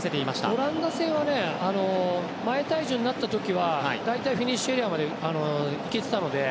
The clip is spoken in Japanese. オランダ戦は前体重になったときは大体、フィニッシュエリアまで行けていたので。